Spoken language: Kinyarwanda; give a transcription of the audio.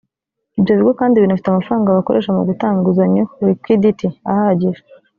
Ibyo bigo kandi binafite amafaranga bakoresha mu gutanga inguzayo [Liquidity] ahagije